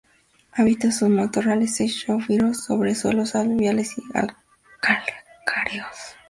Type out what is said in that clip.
Habita en matorrales xerófilos sobre suelos aluviales y calcáreos.